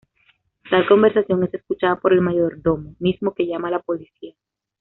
Tal conversación es escuchada por el mayordomo, mismo que llama a la policía.